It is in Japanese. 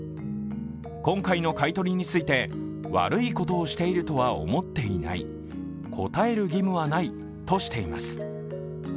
今回の買い取りについて、悪いことをしているとは思っていない、答える義務はないとしています。